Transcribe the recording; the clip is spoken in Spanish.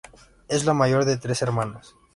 Es la mayor de tres hermanas.